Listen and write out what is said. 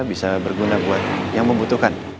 bisa berguna buat yang membutuhkan